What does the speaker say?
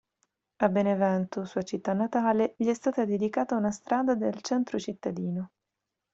A Benevento, sua città natale, gli è stata dedicata una strada del centro cittadino.